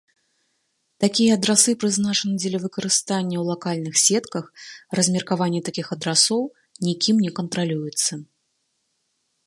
Такія адрасы прызначаны дзеля выкарыстання ў лакальных сетках, размеркаванне такіх адрасоў нікім не кантралюецца.